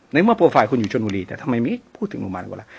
ในเมื่อโปรไฟล์คุณอยู่ชนบุรีแต่ทำไมไม่พูดถึงโรงพยาบาลเวลา